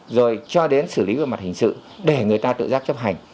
rồi cho đến xử lý về mặt hình sự để người ta tự giác chấp hành